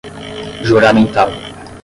juramentado